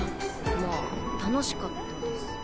まあ楽しかったです。